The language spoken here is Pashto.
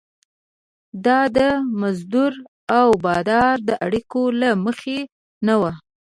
دا د مزدور او بادار د اړیکو له مخې نه وه.